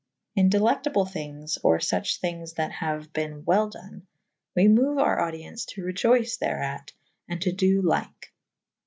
In delectable thinges or fuche thinges [C vii a] that haue bene well done / we moue our audyence to reioce thereat / and to do lyke.